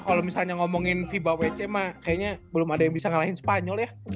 kalau misalnya ngomongin fiba wc mah kayaknya belum ada yang bisa ngalahin spanyol ya